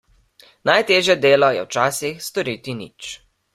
Najtežje delo je včasih storiti nič.